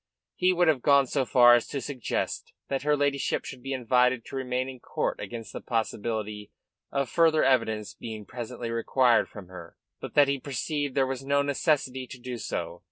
He would have gone so far as to suggest that her ladyship should be invited to remain in court against the possibility of further evidence being presently required from her but that he perceived there was no necessity to do so.